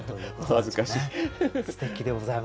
お恥ずかしい。